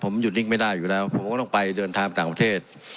ผมหยุดนิ่งไม่ได้อยู่แล้วผมก็ต้องไปเดินทางต่างประเทศ